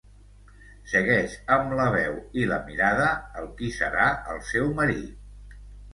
Segueix amb la veu i la mirada el qui serà el seu marit.